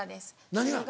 何が？